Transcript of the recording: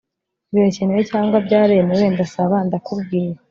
Birakenewe cyangwa byaremewe Ndasaba ndakubwiye